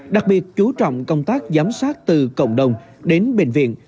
đặc biệt chú trọng công tác giám sát từ cộng đồng đến bệnh viện